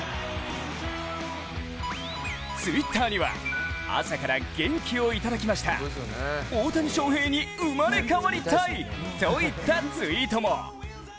Ｔｗｉｔｔｅｒには朝から元気をいただきました大谷翔平に生まれ変わりたいといったツイートも。